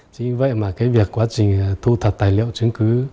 chính vậy mà cái việc quá trình thu thập tài liệu chứng cứ